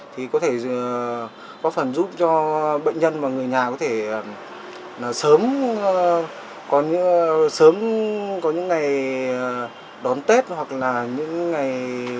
thì có thể góp phần giúp cho bệnh nhân và người nhà có thể sớm có những ngày đón tết hoặc là những ngày